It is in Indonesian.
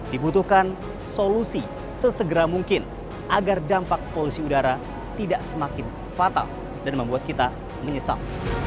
dibutuhkan solusi sesegera mungkin agar dampak polusi udara tidak semakin fatal dan membuat kita menyesal